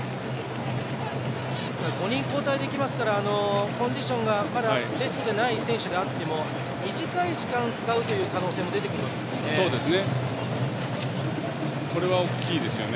５人交代できますからコンディションがまだベストではない選手であっても短い時間使う可能性が出てくるわけですね。